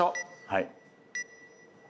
はい。